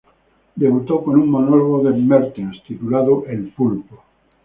Debutó con un monólogo de Mertens titulado "El pulpo".